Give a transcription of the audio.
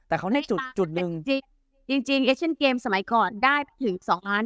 แต่เขาให้จุดจุดนึงจริงจริงกีฬเกมสมัยก่อนได้ถึงสองล้าน